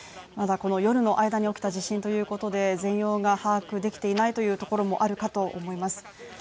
まだこの夜の間に起きた地震ということで全容が把握できていないというところもあるかと思います。